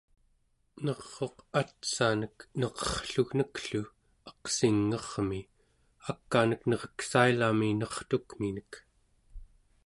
ner'uq atsanek neqerrlugnek-llu aqsing'ermi ak'anek nereksailami nertukminek